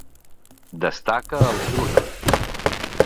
Destaca el trull.